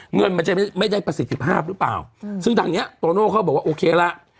เงินมันจะไม่ได้ประสิทธิภาพหรือเปล่าซึ่งทางเนี้ยโตโน่เขาบอกว่าโอเคละ